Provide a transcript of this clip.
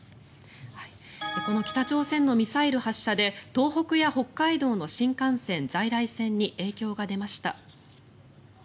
この北朝鮮のミサイル発射で東北や北海道の新幹線、在来線に影響が出ました。